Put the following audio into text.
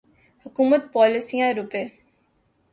حکومتی پالیسیاں روپے